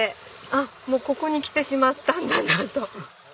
「あっもうここに来てしまったんだな」と。